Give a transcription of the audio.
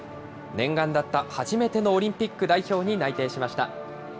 念願だった初めてのオリンピック代表に内定しました。